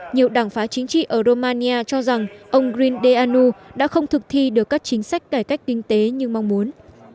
nhiều đảng phá chính trị ở romania cho rằng ông green deanu đã không thực thi được các chính sách cải cách kinh tế như mong muốn